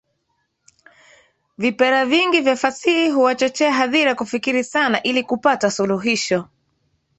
Vipera vingi vya fasihi huwachochea hadhira kufikiri sana ili kupata suluhisho.